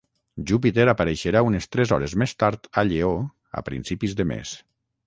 Júpiter apareixerà unes tres hores més tard a Lleó a principis de mes